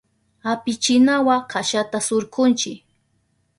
Apichinawa kashata surkunchi.